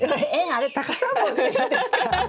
あれタカさん棒って言うんですか？